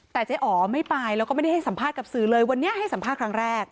แต่เจ๊อ๋อไม่ไปแล้วก็ไม่ได้ให้สัมภาษณ์กับสื่อเลยวันนี้ให้สัมภาษณ์ครั้งแรก